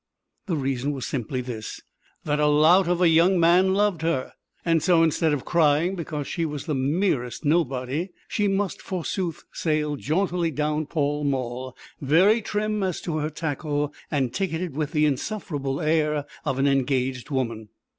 The reason was simply this, that a lout of a young man loved her. And so, instead of crying because she was the merest nobody, she must, forsooth, sail jauntily down Pall Mall, very trim as to her tackle and ticketed with the insufferable air of an engaged woman.